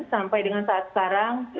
sampai dengan saat sekarang